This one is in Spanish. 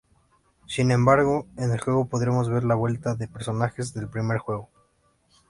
Sin embargo, en el juego podremos ver la vuelta de personajes del primer juego.